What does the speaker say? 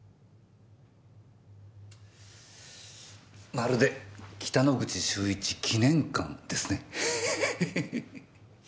まるで北之口秀一記念館ですね。